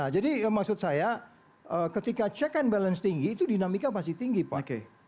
jadi maksud saya ketika check and balance tinggi itu dinamika pasti tinggi pak